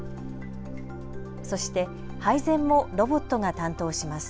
そして配膳もロボットが担当します。